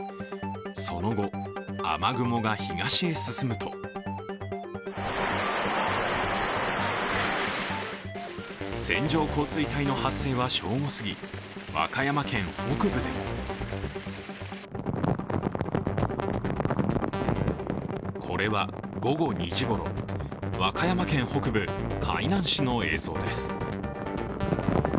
その後、雨雲が東へ進むと線状降水帯の発生は正午すぎ、和歌山県北部でもこれは午前５時ごろの和歌山県北部海南市の映像です。